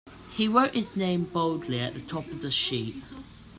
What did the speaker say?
He wrote his name boldly at the top of the sheet.